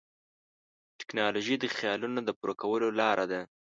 ټیکنالوژي د خیالونو د پوره کولو لاره ده.